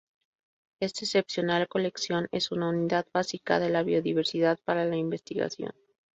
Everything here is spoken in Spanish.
Esta excepcional colección es una unidad básica de la biodiversidad para la Investigación.